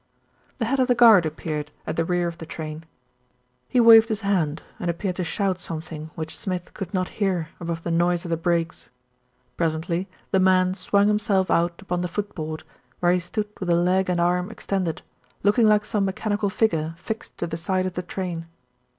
The head of the guard appeared at the rear of the 20 THE RETURN OF ALFRED train. He waved his hand and appeared to shout something which Smith could not hear above the noise of the brakes. Presently the man swung himself out upon the footboard, where he stood with a leg and arm extended, looking like some mechanical figure fixed to the side of the train.